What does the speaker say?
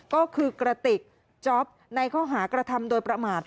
ก็คือกระติกจ๊อปในข้อหากระทำโดยประมาท